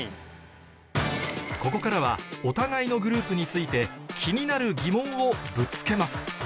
ここからはお互いのグループについて気になる疑問をぶつけます